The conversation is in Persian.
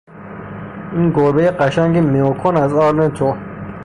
این گربهی قشنگ معو کن از آن تو.